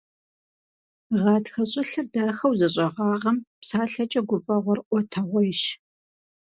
Гъатхэ щӀылъэр дахэу зэщӀэгъагъэм, псалъэкӀэ гуфӀэгъуэр Ӏуэтэгъуейщ.